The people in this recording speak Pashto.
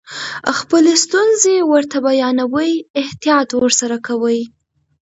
خپلې ستونزې ورته بیانوئ احتیاط ورسره کوئ.